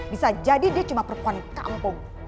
bisa jadi dia cuma perempuan kampung